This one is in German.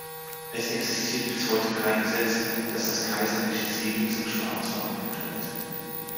Es existiert bis heute kein Gesetz, das das Kaiserliche Siegel zum Staatswappen erklärt.